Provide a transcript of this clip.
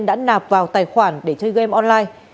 đã nạp vào tài khoản để chơi game online